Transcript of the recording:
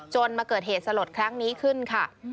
มาเกิดเหตุสลดครั้งนี้ขึ้นค่ะ